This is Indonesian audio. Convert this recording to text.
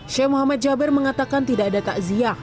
syekh muhammad jabir mengatakan tidak ada takziah